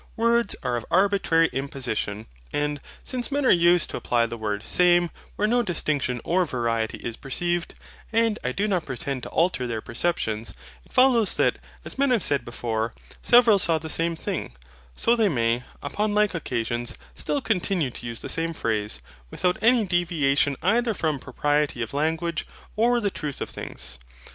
Words are of arbitrary imposition; and, since men are used to apply the word SAME where no distinction or variety is perceived, and I do not pretend to alter their perceptions, it follows that, as men have said before, SEVERAL SAW THE SAME THING, so they may, upon like occasions, still continue to use the same phrase, without any deviation either from propriety of language, or the truth of things.